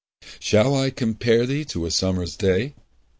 SHALL I compare thee to a summer's day?